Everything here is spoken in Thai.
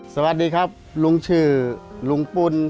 สวัสดีครับลุงชื่อลุงปุ่น